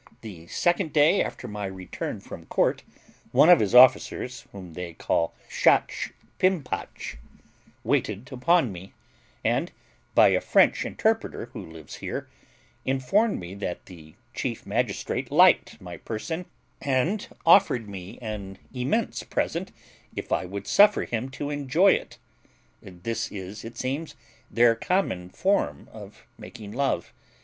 The second day after my return from court one of his officers, whom they call SCHACH PIMPACH, waited upon me, and, by a French interpreter who lives here, informed me that the chief magistrate liked my person, and offered me an immense present if I would suffer him to enjoy it (this is, it seems, their common form of making love).